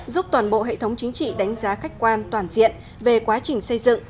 giúp toàn bộ hệ thống chính trị đánh giá khách quan toàn diện về quá trình xây dựng